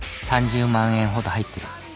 「３０万円ほど入ってる。